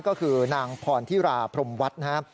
ก็คือนางพรธิราพรมวัดนะครับ